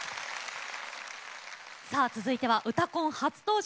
さあ続いては「うたコン」初登場。